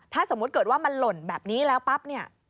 ถ้าสมมุติเกิดว่ามันหล่นแบบนี้แล้วปั๊บเนี่ย